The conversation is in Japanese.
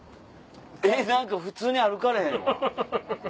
えっ何か普通に歩かれへんわ。